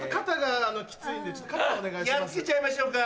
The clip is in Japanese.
やっつけちゃいましょうか？